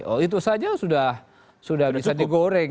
oh itu saja sudah bisa digoreng